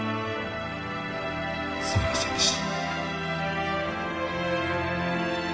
すみませんでした。